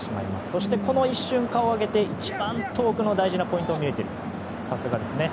そして、この一瞬顔を上げて一番遠くの大事なポイントを見れているのはさすがですね。